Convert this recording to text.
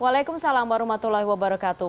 waalaikumsalam warahmatullahi wabarakatuh